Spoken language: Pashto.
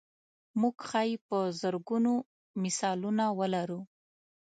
موږ ښایي په زرګونو مثالونه ولرو.